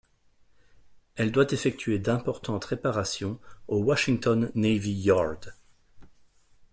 Elle doit effectuer d'importantes réparations au Washington Navy Yard.